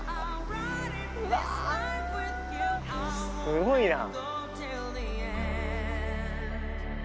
すごいな。